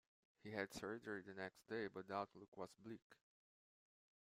He had surgery the next day, but the outlook was bleak.